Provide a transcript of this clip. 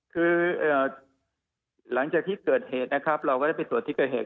คือหลังจากที่เกิดเหตุนะครับเราก็ได้ไปตรวจที่เกิดเหตุ